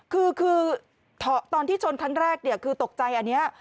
คือตอนที่ชนครั้งแรกเนี่ยคือตกใจอันนี้